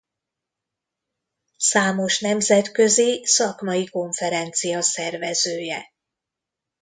Számos nemzetközi szakmai konferencia szervezője.